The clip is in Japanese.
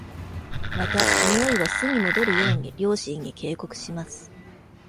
また、においは巣に戻るように両親に警告します。